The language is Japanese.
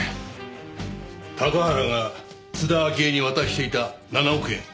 高原が津田明江に渡していた７億円